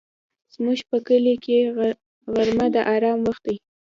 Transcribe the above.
زموږ په کلي کې غرمه د آرام وخت وي